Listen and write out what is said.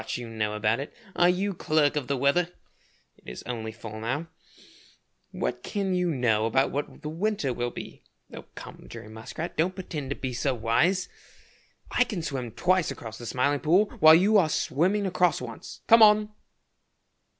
Ho, ho, ho! A lot you know about it! Are you clerk of the weather? It is only fall now what can you know about what the winter will be? Oh come, Jerry Muskrat, don't pretend to be so wise. I can swim twice across the Smiling Pool while you are swimming across once come on!"